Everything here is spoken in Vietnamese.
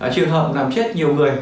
trường hợp làm chết nhiều người